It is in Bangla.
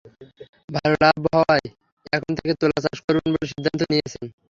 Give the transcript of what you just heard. ভালো লাভ হওয়ায় এখন থেকে তুলা চাষ করবেন বলে সিদ্ধান্ত নিয়েছেন।